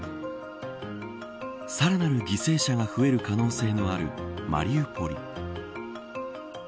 さらなる犠牲者が増える可能性のあるマリウポリ。